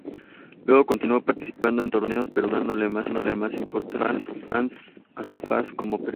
Luego continuó participando en torneos, pero dándole más importancia a su faz como periodista.